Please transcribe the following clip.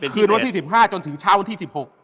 คืนวันที่๑๕จนถึงเช้าวันที่๑๖